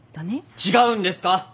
違うんですか？